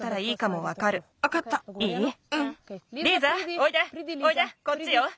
おいでこっちよ。